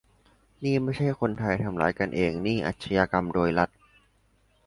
"นี่ไม่ใช่คนไทยทำร้ายกันเอง นี่อาชญากรรมโดยรัฐ"